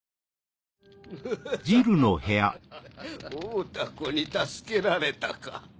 負うた子に助けられたか。